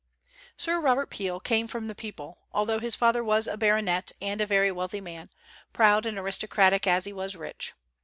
Sir Robert Peel came from the people, although his father was a baronet and a very wealthy man, proud and aristocratic as he was rich.